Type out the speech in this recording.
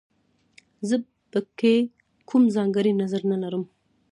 زه په کې کوم ځانګړی نظر نه لرم